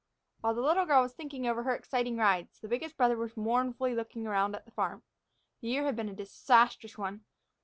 While the little girl was thinking over her exciting rides, the biggest brother was mournfully looking around at the farm. The year had been a disastrous one.